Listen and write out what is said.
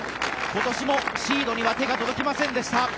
今年もシードには手が届きませんでした。